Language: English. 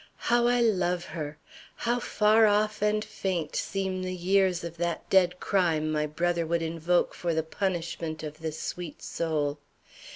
How I love her! How far off and faint seem the years of that dead crime my brother would invoke for the punishment of this sweet soul!